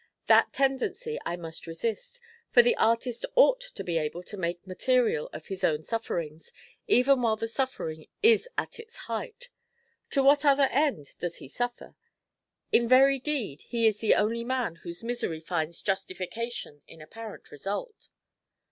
That tendency I must resist. For the artist ought to be able to make material of his own sufferings, even while the suffering is at its height. To what other end does he suffer? In very deed, he is the only man whose misery finds justification in apparent result."